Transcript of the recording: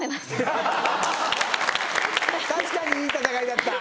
確かにいい戦いだった。